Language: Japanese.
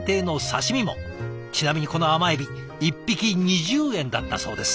ちなみにこの甘エビ１匹２０円だったそうです。